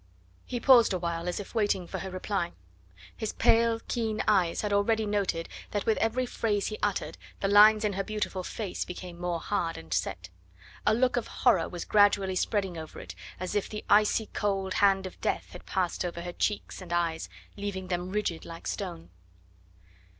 He paused a while as if waiting for her reply. His pale, keen eyes had already noted that with every phrase he uttered the lines in her beautiful face became more hard and set. A look of horror was gradually spreading over it, as if the icy cold hand of death had passed over her eyes and cheeks, leaving them rigid like stone.